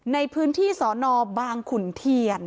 ในพื้นที่สอนอบางขุนเทียน